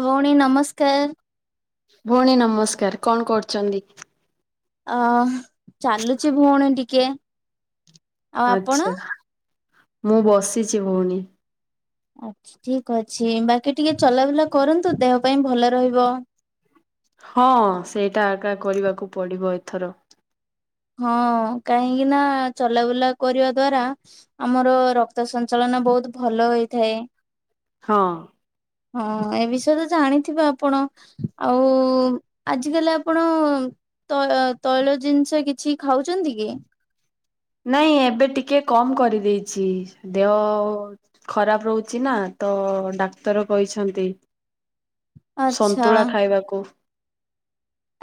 ଭଉଣୀ ନମସ୍କାର। ଭଉଣୀ ନମସ୍କାର। କଣ କରୁଛନ୍ତି? ଅ ଚାଲୁଚି ଭଉଣୀ ଟିକେ। ଆଉ ଆପଣ? ଆଛା ମୁଁ ବସିଛି ଭଉଣୀ। ଆଛା ଠିକ ଅଛି ବାକି ଟିକେ ଟିକେ ଚଲାବୁଲା କରନ୍ତୁ। ଦେହ ପାଇଁ ଭଲ ରହିବ। ହଁ ସେଇଟା ଆକା କରିବାକୁ ପଡ଼ିବ ଏଥର। ହଁ କାହିଁକି ନା ଚଲାବୁଲା କରିବା ଦ୍ଵାରା ଆମର ରକ୍ତ ସଞ୍ଚାଳନ ବହୁତ ଭଲ ହେଇଥାଏ। ହଁ। ହଁ ଏ ବିଷୟରେ ତ ଜାଣିଥିବେ ଆପଣ ଆଉ ଆଜିିକାଲି ଆପଣ ତ ତୈଳ ଜିନିଷ କିଛି ଖାଉଛନ୍ତି କି? ନାଇଁ ଏବେ ଟିକେ କମ କରିଦେଇଛି ଦେହ ଖରାପ ରହୁଛି ନା ତ ଡାକ୍ତର କହିଛନ୍ତି। ଆଚ୍ଛା ସନ୍ତୁଳା ଖାଇବାକୁ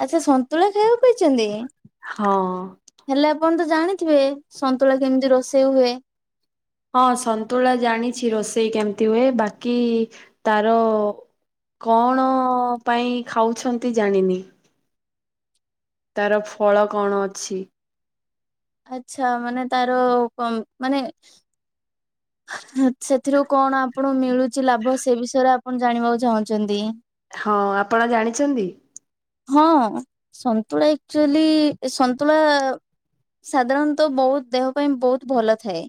ଆଚ୍ଛା ସନ୍ତୁଳା ଖାଇବାକୁ କହିଛନ୍ତି। ହଁ। ହେଲେ ଆପଣ ତ ଜାଣିଥିବେ ସନ୍ତୁଳା କେମିତି ରୋଷେଇ ହୁଏ। ହଁ ସନ୍ତୁଳା ଜାଣିଛି ରୋଷେଇ କେମିତି ହୁଏ ବାକି ତାର କଣ ପାଇଁ ଖାଉଛନ୍ତି ଜାଣିନି? ତାର ଫଳ କଣ ଅଛି? ଆଛା ମାନେ ତାର କଣ ମାନେ ହେଥ ସେଥିରୁ କଣ ଆପଣଙ୍କୁ ମିଳୁଛି ଲାଭ ସେ ବିଷୟରେ ଆପଣ ଜାଣିବାକୁ ଚାହୁଁଛନ୍ତି? ହଁ ଆପଣ ଜାଣିଛନ୍ତି? ହଁ ସନ୍ତୁଳା ଆକ୍ଚୁଆଲି ସନ୍ତୁଳା ସାଧାରଣତଃ ବହୁତ ଦେହ ପାଇଁ ବହୁତ ଭଲ ଥାଏ।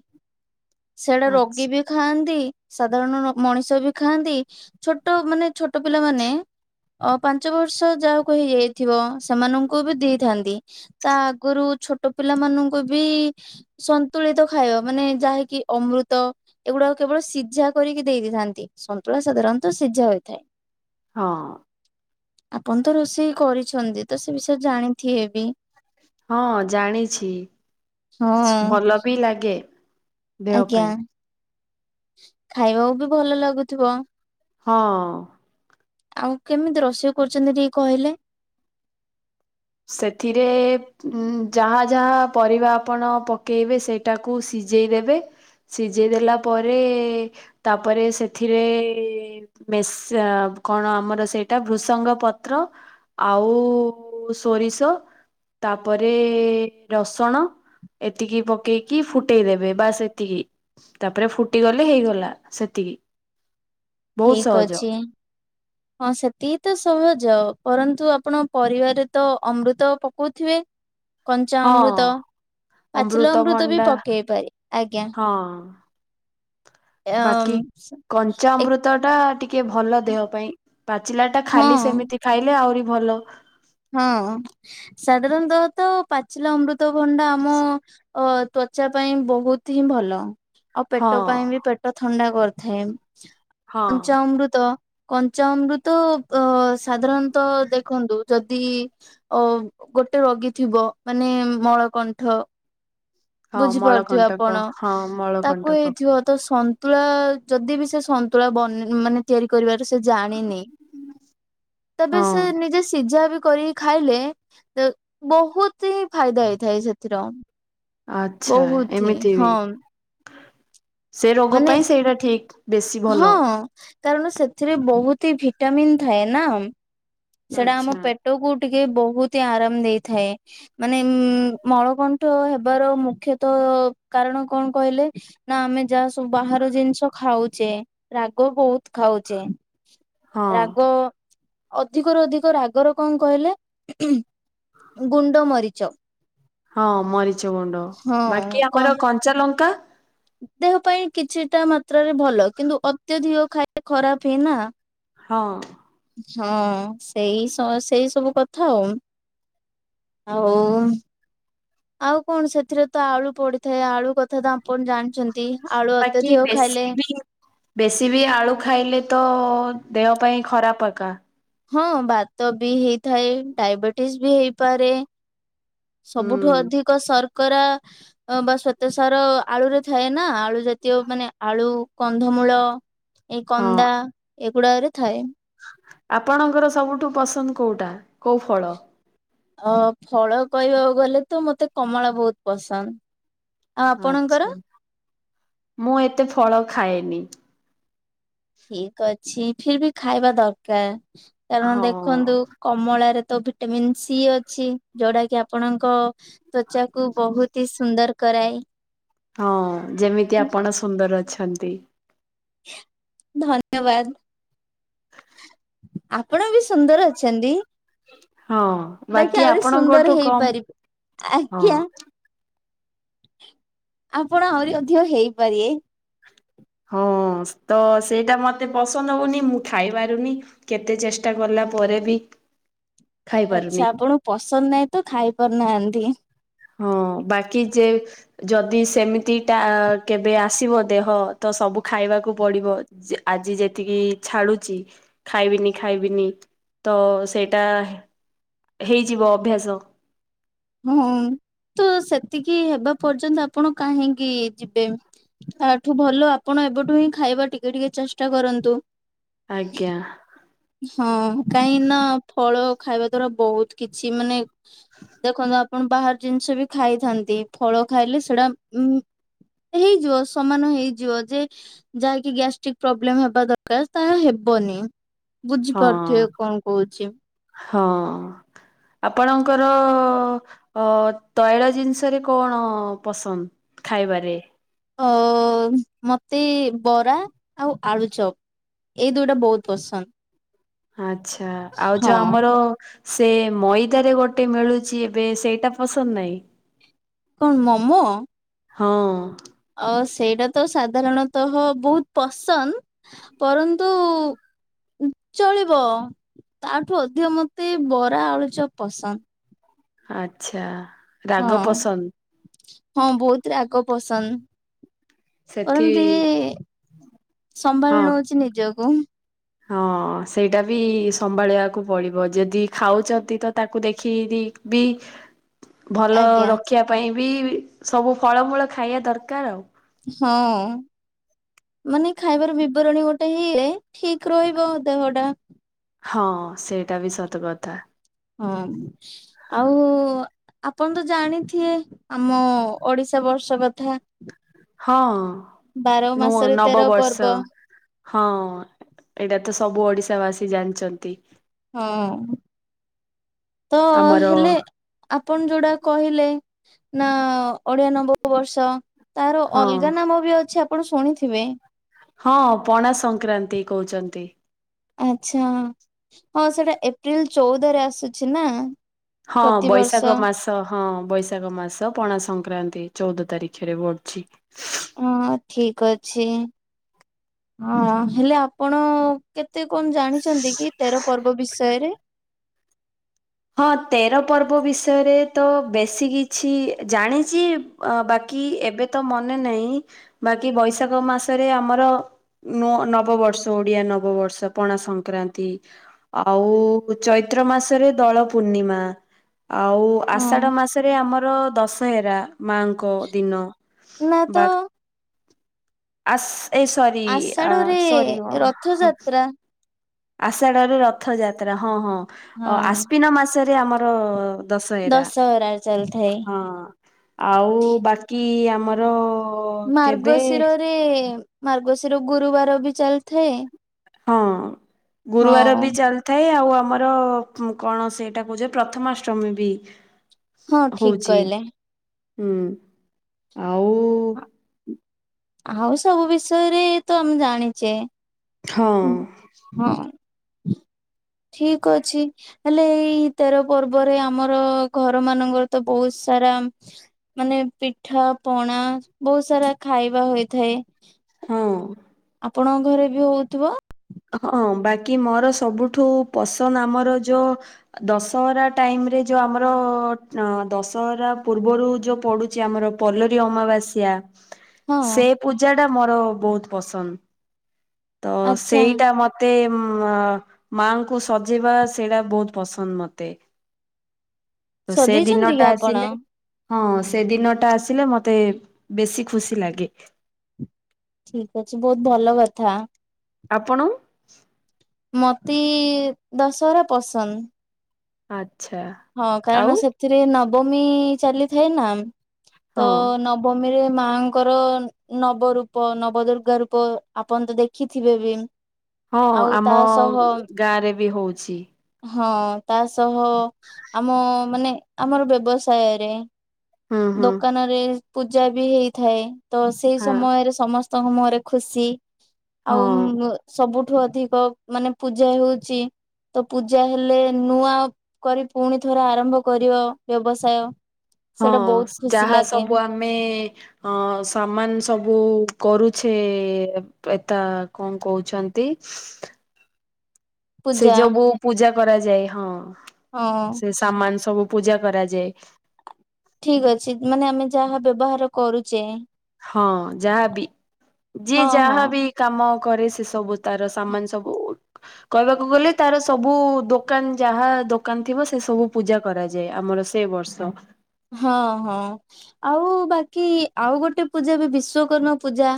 ସେଇଟା ରୋଗୀ ଆଚ୍ଛା ବି ଖାଆନ୍ତି। ସାଧାରଣ ନ ମଣିଷ ବି ଖାଆନ୍ତି। ଛୋଟ ମାନେ ଛୋଟ ପିଲାମାନେ ଅ ପାଞ୍ଚ ବର୍ଷ ଯାହାକୁ ହେଇଯାଇଥିବ ସେମାନଙ୍କୁ ବି ଦେଇଥାନ୍ତି। ତା ଆଗରୁ ଛୋଟ ପିଲା ମାନଙ୍କୁ ବି ସନ୍ତୁଳିତ ଖାଇବା ମାନେ ଯାହାକି ଅମୃତ ଏଗୁଡାକ କେବଳ ସିଝା କରିକି ଦେଇ ଦେଇଥାନ୍ତି। ସନ୍ତୁଳା ସାଧାରଣତଃ ସିଝା ହୋଇଥାଏ। ହଁ। ଆପଣ ତ ରୋଷେଇ କରିଛନ୍ତି। ତ ସେ ବିଷୟରେ ଜାଣିଥିବେ ବି? ହଁ ଜାଣିଛି ହଁ ଭଲ ବି ଲାଗେ। ଦେହ ଆଜ୍ଞା। ପାଇଁ ଖାଇବାକୁ ବି ଭଲ ଲାଗୁଥିବ ହଁ। ଆଉ କେମିତି ରୋଷେଇ କରୁଛନ୍ତି ଟିକେ କହିଲେ। ସେଥିରେ ଉ ଯାହା ଯାହା ପରିବା ଆପଣ ପକେଇବେ ସେଇଟାକୁ ସିଜେଇ ଦେବେ ସିଝେଇ ଦେଲା ପରେ ତାପରେ ସେଥିରେ ମେସା କଣ ଆମର ସେଇଟା ଭୃଷଙ୍ଗ ପତ୍ର ଆଉ ସୋରିଷ ତାପରେ ରସଣ। ଏତିକି ପକେଇକି ଫୁଟେଇ ଦେବେ ବାସ୍ ଏତିକି। ତାପରେ ଫୁଟିଗଲେ ହେଇଗଲା ସେତିକି। କି ଠିକ ଅଛି ହଁ ସେତିକି ତ ସହଜ। ପରନ୍ତୁ ଆପଣ ପରିବାରେ ତ ଅମୃତ ପକଉଥିବେ? କଞ୍ଚା ହଁ। ଅମୃତ ପାଚିଲା ଅମୃତ ବି ଅମୃତଭଣ୍ଡା ପକେଇ ପାରି ଆଜ୍ଞା। ହଁ ଆଁ। ବାକି କଞ୍ଚା ଅମୃତ ଟା ଟିକେ ଭଲ ଦେହ ପାଇଁ। ପାଚିଲା ଟା ହଁ ଖାଲି ସେମିତି ଖାଇଲେ ଆହୁରି ଭଲ। ହଁ ସାଧାରଣତଃ ତ ପାଚିଲା ଅମୃତଭଣ୍ଡା ଆମ ଅ ତ୍ଵଚା ପାଇଁ ବହୁତ ହିଁ ଭଲ। ଆଉ ହଁ ପେଟ ପାଇଁ ବି ପେଟ ଥଣ୍ଡା କରିଥାଏ। ହଁ କଞ୍ଚା ଅମୃତ। କଞ୍ଚା ଅମୃତ ଅ ସାଧାରଣତଃ ଦେଖନ୍ତୁ ଯଦି ଅ ଗୋଟେ ରୋଗୀ ଥିବ ମାନେ ମଳକଣ୍ଠ ହଁ ବୁଝିପାରୁଥିବେ ଆପଣ ମଳକଣ୍ଟକ ହଁ ତାକୁ ମଳକଣ୍ଟକ ହେଇଥିବ ତ ସନ୍ତୁଳା ଯଦି ବି ସେ ସନ୍ତୁଳା ବନେ ମାନେ ତିଆରି କରିବାରେ ସେ ଜାଣିନି ତେବେ ହଁ ସେ ନିଜେ ଯ ବି କରିକି ଖାଇଲେ ତ ବହୁତ ହିଁ ଫାଇଦା ହେଇଥାଏ ସେଥିର ଆଚ୍ଛା ବହୁତ ହି ଏମିତି ବି ହଁ। ସେ ରୋଗ ମାନେ ପାଇଁ ସେଇଟା ଠିକ ବେଶୀ ହଁ ଭଲ। କାରଣ ସେଥିରେ ବହୁତ ହି ଭିଟାମିିନ ଥାଏ ନା। ସେଟା ଆମ ଆଚ୍ଛା ପେଟକୁ ଟିକେ ବହୁତ ଆରାମ ଦେଇଥାଏ। ମାନେ ଉ ମଳକଣ୍ଠ ହେବାର ମୁଖ୍ୟତଃ କ କାରଣ କଣ କହିଲେ ନା ଆମେ ଯାହା ସବୁ ବାହାର ଜିନିଷ ଖାଉଛେ ରାଗ ଫାଗ ବହୁତ ଖାଉଛେ। ହଁ ରାଗ ଅଧିକରୁ ଅଧିକ ରାଗର କଣ କହିଲେ। ଗୁଣ୍ଡ ମରିଚ। ହଁ ମରିଚ ଗୁଣ୍ଡ ହଁ ବାକି କଣ ଆମର କଞ୍ଚା ଲଙ୍କା। ଦେହ ପାଇଁ କିଛିଟା ମାତ୍ରାରେ ଭଲ। କିନ୍ତୁ ଅତ୍ୟଧିକ ଖାଇଲେ ଖରାପ ହି ନା। ହଁ। ହଁ ସେଇ ସ ସେଇ ସବୁ କଥା ଆଉ। ଆଉ ଆଉ କଣ ସେଥିରେ ତ ଆଳୁ ପଡିଥାଏ! ଆଳୁ କଥା ତ ଆପଣ ଜାଣିଛନ୍ତି ଆଳୁ ବାକି ଅତ୍ୟଧିକ ଖାଇଲେ ବେଶି ବି ବେଶି ବି ଆଳୁ ଖାଇଲେ ତ ଦେହ ପାଇଁ ଖରାପ ଆକା। ହଁ ବାତ ବି ହେଇଥାଏ, ଡାଇବେଟିସ୍ ବି ହେଇପାରେ। ହୁଁ ସବୁଠୁ ଅଧିକ ସରଫ୍ ଙ୍କର ବା ଶ୍ୱେତସାର ଆଳୁ ରେ ଥାଏ ନା। ଆଳୁ ଜାତିୟ ମାନେ ଆୁଳୁ, କନ୍ଧମୂ ମୂଳ, ଏ ହଁ କନ୍ଦା ଏଗୁଡାକରେ ଥାଏ। ଆପଣଙ୍କର ସବୁଠୁ ପସନ୍ଦ କୋଉଟା! କଉ ଫଳ? ଅ ଫଳ କହିବାକୁ ଗଲେ ତ ମତେ କମଳା ବହୁତ ପସନ୍ଦ। ଆଉ ଆପଣଙ୍କର? ଆଛା ମୁଁ ଏତେ ଫଳ ଖାଏନି। ଠିକ ଅଛି ଫିର୍ ବି ଖାଇବା ଦରକାର। କାରଣ ହଁ ଦେଖନ୍ତୁ କମଳାରେ ତ ଭିଟାମିନ୍ ସି ଅଛି ଯୋଉଟା କି ଆପଣଙ୍କ ତ୍ବଚା କୁ ବହୁତି ସୁନ୍ଦର କରାଏ। ହଁ ଯେମିତି ଆପଣ ସୁନ୍ଦର ଅଛନ୍ତି। ଧନ୍ୟବାଦ। ଆପଣ ବି ସୁନ୍ଦର ଅଛନ୍ତି। ହଁ ବାକି ଆହୁରି ସୁନ୍ଦର ଆପଣଙ୍କଠୁ କମ୍ ହେଇପାରିବେ। ହଁ ଆଜ୍ଞା। ଆପଣ ଆହୁରି ଅଧିକ ହେଇପାରିବେ। ହଁ ତ ସେଇଟା ମତେ ପସନ୍ଦ ହଉନି। ମୁଁ ଖାଇ ପାରୁନି। କେତେ ଚେଷ୍ଟା କଲା ମରେ ବି ଖାଇପାରୁନି ଆଚ୍ଛା! ଆପଣଙ୍କୁ ପସନ୍ଦ ନାହିଁ, ତ ଖାଇ ପାରୁନାହାଁନ୍ତି। ହଁ ବାକି ଯେ ଯଦି ସେମିତି ଟା କେବେ ଆସିବ ଦେହ? ତ ସବୁ ଖାଇବାକୁ ପଡ଼ିବ। ଜି ଆ ଜିଏ ଯେତିକି ଛାଡୁଛି ଖାଇବିନି ଖାଇବିନି ତ ସେଇଟା ହେଇଯିବ ଅଭ୍ୟାସ। ହଁ ତ ସେତିକି ହେବା ପର୍ଯ୍ୟନ୍ତ ଆପଣ କାହିଁକି ଯିବେ। ତାଠୁ ଭଲ ଆପଣ ଏବେଠୁ ହିଁ ଖାଇବା ଟିକେ ଟିକେ ଚେଷ୍ଟା କରନ୍ତୁ। ଆଜ୍ଞା ହଁ କାହିଁକି ନା ଫଳ ଖାଇବା ଦ୍ଵାରା ବହୁତ କିଛି ମାନେ ଦେଖନ୍ତୁ ଆପଣ ବାହାର ଜିନିଷ ବି ଖାଇଥାନ୍ତି ଫଳ ଖାଇଲେ ସେଟା ଉ ହେଇଯିବ ସମାନ ହେଇଯିବ ଯେ ଯାହାକି ଗ୍ୟାଷ୍ଟ୍ରିକ ପ୍ରୋବ୍ଲେମ ହେବା ଦରକାର ତାହା ହେବ୍ ହବନି ହଁ ବୁଝିପାରୁଥିବେ କଣ କହୁଛି। ହଁ ଅ। ଆପଣଙ୍କର- ଅ-ଅ ତୈଳ ଜିନିଷରେ କଣ ପସନ୍ଦ? ଖାଇବାରେ। ଅ ଅ ମତେ ବରା ଆଉ ଆଳୁ ଚପ୍ ଏଇ ଦୁଇଟା ବହୁତ ପସନ୍ଦ୍। ଆଛା ଆଉ ଯୋ ଆମର ସେ ମଇଦାରେ ଗୋଟେ ମିଳୁଛି ଏବେ ସେଇଟା ପସନ୍ଦ ନାଇ। କଣ ମୋମୋ? ହଁ। ଅ ସେଇଟା ତ ସାଧାରଣତଃ ବହୁତ ପସନ୍ଦ। ପରନ୍ତୁ ଉଁ ଚଳିବ ତାଠୁ ଅଧିକ ମତେ ବରା ଆଳୁ ଚପ୍ ପସନ୍ଦ। ଆଛା ରାଗ ହଁ। ପସନ୍ଦ? ହଁ ବହୁତ୍ ରାଗ ପସନ୍ଦ। ସେଠି କରନ୍ତି ଇ ହଁ ସମ୍ଭାଳୁନୁ ହଉଛି ନିଜକୁ। ହଁ ସେଇଟା ବି ସମ୍ଭାଳିଆକୁ ପଡିବ ଯେଦି ଖାଉଛନ୍ତି ତ ତାକୁ ଦେଖିକି ବି ଭଲ ଆଜ୍ଞା ରଖିବା ପାଇଁ ବି ସବୁ ଫଳମୂଳ ଖାଇଆ ଦରକାର ଆଉ। ହଁ। ମାନେ ଖାଇବାର ବିବରଣୀ ଗୋଟେ ହେଲେ ଠିକ୍ ରହିବ ଦେହ ଟା। ହଁ ସେଇଟା ବି ସତ କଥା। ହଁ ଆଉ ଆ ଆପଣ ତ ଜାଣିଥିବେ ଆମ ଓଡିଶା ବର୍ଷ କଥା। ହଁ ବାର ନୂଆ ମାସରେ ନବ ତେର ପର୍ବ ବର୍ଷ। ହଁ ଏଇଟା ତ ସବୁ ଓଡିଶା ବାସୀ ଜାଣିଛନ୍ତି। ହଁ। ତ ଆମର ହେଲେ ଆପଣ ଯୋଉଟା କହିଲେ। ନା ଓଡିଆ ନବ ବର୍ଷ ତାର ହଁ ଅଲଗା ନାମ ବି ଅଛି ଆପ ଆପଣ ଶୁଣିଥିବେ। ହଁ ପଣା ସଂକ୍ରାନ୍ତି କହୁଛନ୍ତି। ଆଚ୍ଛା ହଁ ସେଇଟା ଏପ୍ରିଲ ଚଉଦରେ ଆସୁଛି ନା। ହଁ ପ୍ରତିବର୍ଷ ବୈଶାଖ ମାସ। ହଁ ବୈଶାଖ ମାସ ପଣା ସଂକ୍ରାନ୍ତି ଚଉଦ ତାରିଖରେ ବଢୁଛି। ହଁ ଠିକ ଅଛି ହଁ ହେଲେ ଆପଣ। କେତେ କଣ ଜାଣିଛନ୍ତି କି ତେର ପର୍ବ ବିଷୟରେ। ହଁ ତେର ପର୍ବ ବିଷୟରେ ତ ବେଶୀ କିଛି ଜାଣିଛି ବାକି। ବାକି ଏବେ ତ ମନେ ନାହିଁ ବାକି ବୈଶାଖ ମାସରେ ଆମର ନୁଅ ନବବର୍ଷ। ବର୍ଷ ଓଡିଆ ନବବର୍ଷ ପଣା ସଂକ୍ରାନ୍ତି ଆଉ ଚୈତ୍ର ମାସରେ। ଦୋଳ ପୂର୍ଣ୍ଣିମା ଆଉ ହଁ ଆଷାଢ ମାସରେ ଆମର ଦଶହେରା। ମାଙ୍କ ଦିନ ନା ତ ବା ଆସ ଏ ସରି ଆ ଆଷାଢରେ ସରି ଅ ହଁ। ରଥଯାତ୍ରା ଆଷାଢରେ ରଥ ଯାତ୍ରା ହଁ ହଁ ହଁ ଆସକିନ ମାସରେ ଆମର। ଦଶହେରା ଦଶହରା ଚାଲିଥାଏ। ହଁ ଆଉ ବାକି ଆମର। କେବେ ମାର୍ଗଶିରରେ ମାର୍ଗଶିର ଗୁରୁବାର ବି ଚାଲିଥାଏ। ହଁ ଗୁରୁବାର ହଁ ବି ଚାଲିଥାଏ ଆଉ ଆ ଆମର କଣ ସେଇଟା କହୁଛ ପ୍ରଥମାଷ୍ଟମୀ ବି। ହଁ ଠିକ ହଉଛି କହିଲେ। ହୁଁ ଆଉ। ଆଉ ସବୁ ବିଷୟରେ ଏଇ ତ ଆମେ ଜାଣିଛେ। ହଁ। ହୁଁ ଠିକ ଅଛି ହେଲେ ଏଇ ତେର ପର୍ବରେ ଆମର ଘର ମାନଙ୍କରେ ତ ବହୁତ ସ ସାରା ମାନେ ପିଠା ପଣା ବହୁତ ସାରା ଖାଇବା ହୋଇଥାଏ। ହଁ। ଆପଣଙ୍କ ଘରେ ବି ହଉଥିବ। ହଁ ବାକି ମୋର ସବୁଠୁ ପସନ୍ଦ ଆମର ଯୋଉ ଦଶହରା ଟାଇମ ରେ। ସେ ଯୋଉ ଆମର ଅ ଦଶହରା ପୂର୍ବରୁ ଯୋଉ ପଡୁଛି ଆମର ପଲୋରୀ ଅମାବାସ୍ୟା। ହଁ ସେ ପୂଜା ଟା ମୋର ବହୁତ ପସନ୍ଦ ତ। ଆଚ୍ଛା। ସେଇଟା ମତେ ମ ମ ମାଙ୍କୁ ସଜେଇବା ସେଇଟା ବହୁତ ପସନ୍ଦ ମତେ। ତ ସେ ଦିନ ସଜେଇଛନ୍ତି କି ଟା ଆପଣ? ଆସିଲେ। ହଁ ସେ ଦିନ ଟା ଆସିଲେ ମତେ ବେଶୀ ଖୁସି ଲାଗେ। ଠିକ ଅଛି ବହୁତ ଭଲ କଥା। ଆପଣ। ମତେ ଦଶହରା ପସନ୍ଦ। [inaudible] ହଁ କାରଣ ଆଉ ସେଥିରେ ନବମୀ ଚାଲିଥାଏ ନା ତ ହଁ ନବମୀରେ ମାଙ୍କର ନବ ରୂପ ନବ ଦୁର୍ଗା ରୂପ ଆପଣ ତ ଦେଖିଥିବେ ବି ହଁ ଆଉ ତା ଆମ ସହ ଗାଁ ରେ ବି ହଉଚି। ହଁ ତା ସହ ଆମ ମାନେ ଆମର ବ୍ୟବସାୟରେ ହୁଁ ହୁଁ। ଦୋକାନ ରେ ପୂଜା ବି ହେଇଥାଏ ତ ସେଇ ହଁ ସମୟରେ ସମ ତ ମୁହଁରେ ଖୁସି ଆଉ ହଁ ସବୁ ଠୁ ଅଧିକ ମାନେ ପୂଜା ହଉଛି ତ ପୂଜା ହେଲେ ନୂଆ କରି ପୁଣି ଥରେ ଆରମ୍ଭ କରିବ ବ୍ୟବସାୟ ହଁ ସେଇଟା ବହୁତ ଖୁସି ଯାହା ଲାଗେ ସବୁ ଆମେ ଅ ସାମାନ ସବୁ କରୁ ସେ ଏ ଏତା କଣ କହୁଛନ୍ତି ସେ ପୂଜା ଯବୁ ପୂଜା କରାଯାଏ ହଁ ହଁ ସେ ସାମାନ ସବୁ ପୂଜା କରାଯାଏ। ଠିକ ଅଛି ମାନେ ଆମେ ଯାହା ବ୍ୟବହାର କରୁଚେ। ହଁ ଯାହାବି ଯିଏ ହଁ ହଁ ଯାହାବି କାମ କରେ ସେ ସବୁ-' ତାର ସାମାନ ସବୁ ଉ କହିବାକୁ ଗଲେ ତାର ସବୁ ଦୋକାନ ଯାହା ଦୋକାନ ଥିବ ସେ ସବୁ ପୂଜା କରାଯାଏ। ଆମର ସେ ବର୍ଷ ହଁ ହଁ ଆଉ ବାକି ଆଉ ଗୋଟେ ପୂଜା ବି ବିଶ୍ଵକର୍ମା ପୂଜା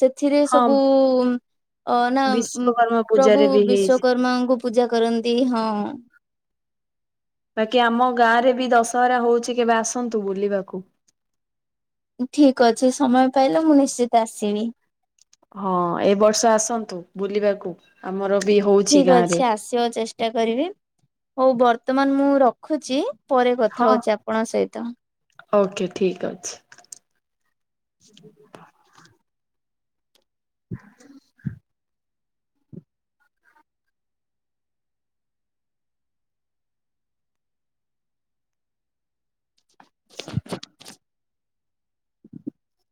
ସେଥିରେ ହଁ ସବୁ ଉଉଁ ଅ ନା ବିଶ୍ଵକର୍ମା ପ୍ରଭୁ ପୂଜାରେ ବି ହେଇଛି। ବିଶ୍ଵକର୍ମାଙ୍କୁ ପୂଜ କରନ୍ତି। ହଁ [inaudible] ବାକି ଆମ ଗାଁରେ ବି ଦଶହରା ହଉଛି କେବେ ଆସନ୍ତୁ ବୁଲିବାକୁ। ଠିକ ଅଛି ସମୟ ପାଇଲେ ମୁଁ ନିଶ୍ଚିତ ଆସିବି। ହଁ ଏ ବର୍ଷ ଆସନ୍ତୁ ବୁଲିବାକୁ। ଆମର ବି ହଉଛି ଠିକ ଗାଁ ରେ। ଅଛି ଆସିବା ଚେଷ୍ଟା କରିବି। ହଉ ବର୍ତ୍ତମାନ ମୁଁ ରଖୁଛି। ପରେ କଥା ହଁ ହଉଛି ଆପଣଙ୍କ ସହିତ। ଓକେ ଠିକ ଅଛି। [inaudible] [unintelligible]